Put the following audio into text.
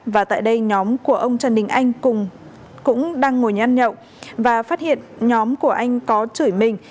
và tại đây nhóm của ông trần đình anh cũng đang ngồi ăn nhậu và phát hiện nhóm của anh có chửi mình